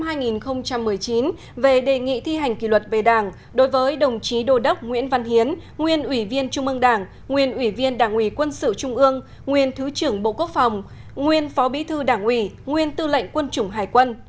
bộ chính trị đã quyết định một số trường hợp nhân sự thuộc diện bộ chính trị quản lý đối với đồng chí đô đốc nguyễn văn hiến nguyên ủy viên trung ương đảng nguyên ủy viên đảng ủy quân sự trung ương nguyên thứ trưởng bộ quốc phòng nguyên phó bí thư đảng ủy nguyên tư lệnh quân chủng hải quân